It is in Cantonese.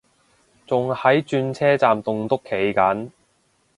仲喺轉車站棟篤企緊